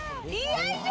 よいしょ！